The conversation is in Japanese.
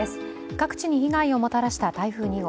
各地に被害をもたらした台風２号。